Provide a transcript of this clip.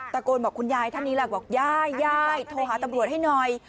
ตะโกนบอกคุณยายท่านนี้แหละบอกย่ายโทรหาตำรวจให้หน่อย